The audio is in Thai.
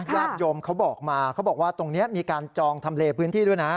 ยาชยมเขาบอกมาตรงนี้มีการจองทำเลพื้นที่ด้วยนะ